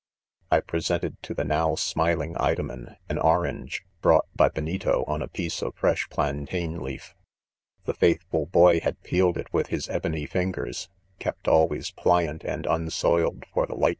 I presented to the now •smiling Idomen, an orange, brought by Benito on 'a piece of fresh plantain leaf. The faith ful boy had peeled, it with his ebony fingers, ' |l||i f always" pliant :nnd : unsoiled for ; the ..■ light